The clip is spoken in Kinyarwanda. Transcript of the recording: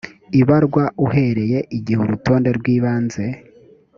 ibarwa uhereye igihe urutonde rw ibanze